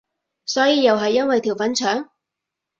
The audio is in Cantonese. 所以又係因為條粉腸？